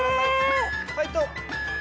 ファイト！